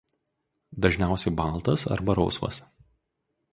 Dažniausiai baltas arba rausvas.